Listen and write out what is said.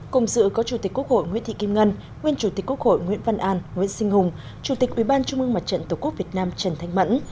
cùng dự có chủ tịch quốc hội nguyễn thị kim ngân nguyên chủ tịch quốc hội nguyễn văn an nguyễn sinh hùng chủ tịch ủy ban trung mương mặt trận tổ quốc việt nam trần thanh mẫn